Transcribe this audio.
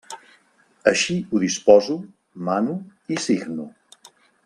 Així ho disposo, mano i signo.